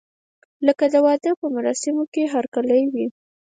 لکه د واده په مراسمو کې هرکلی وي.